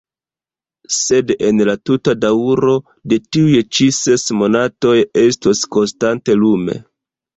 Sed en la tuta daŭro de tiuj ĉi ses monatoj estos konstante lume.